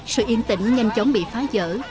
sự yên tĩnh nhanh chóng bị phá dở